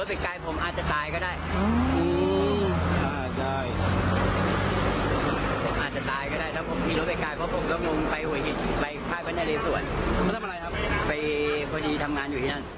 ไปพอดีทำงานอยู่ที่นั่น